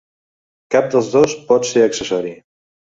Cap dels dos pot ser accessori.